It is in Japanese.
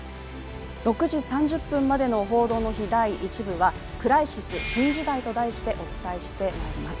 ６時３０分までの「報道の日・第１部」は「クライシス新時代」と題してお伝えしてまいります。